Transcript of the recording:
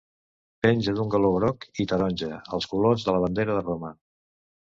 Penja d'un galó groc i taronja, els colors de la bandera de Roma.